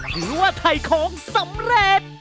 ถือว่าไถ่ของสำเร็จ